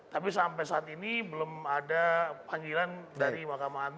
tapi sampai saat ini belum ada panggilan dari mahkamah agung